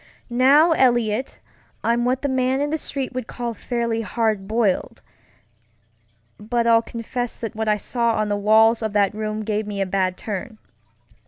Now, Eliot, I'm what the man in the street would call fairly "hard boiled," but I'll confess that what I saw on the walls of that room gave me a bad turn.